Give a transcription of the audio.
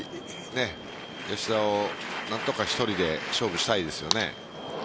吉田を何とか１人で勝負したいですよね。